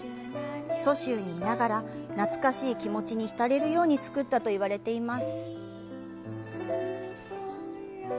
蘇州にいながら懐かしい気持ちに浸れるように造ったと言われています。